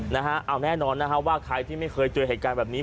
นะฮะเอาแน่นอนนะฮะว่าใครที่ไม่เคยเจอเหตุการณ์แบบนี้